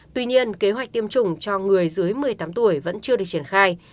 tuy nhiên kế hoạch tiêm chủng cho người dưới một mươi tám tuổi vẫn chưa được triển khai